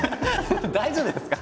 大丈夫ですか？